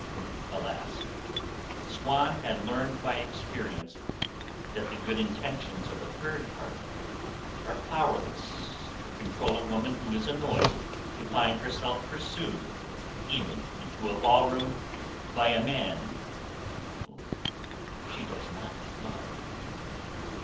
Alas! Swann had learned by experience that the good intentions of a third party are powerless to control a woman who is annoyed to find herself pursued even into a ball room by a man whom she does not love.